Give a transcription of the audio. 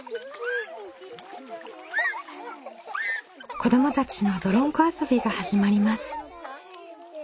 子どもたちの泥んこ遊びが始まります。